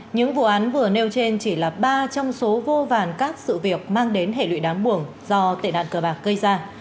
những vụ án vừa nêu trên chỉ là ba trong số vô vàn các sự việc mang đến hệ lụy đáng buồn do tệ nạn cờ bạc gây ra